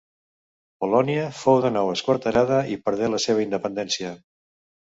Polònia fou de nou esquarterada i perdé la seva independència.